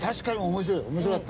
面白かった。